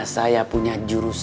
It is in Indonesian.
saya punya jurus